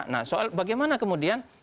nah soal bagaimana kemudian